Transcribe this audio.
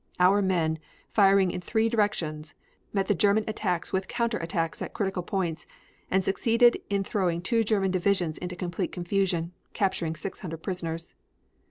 Our men, firing in three directions, met the German attacks with counter attacks at critical points and succeeded in throwing two German divisions into complete confusion, capturing 600 prisoners.